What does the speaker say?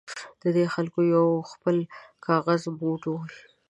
د دې خلکو یو خپل کاغذي موډ وي.